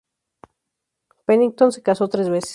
Pennington se casó tres veces.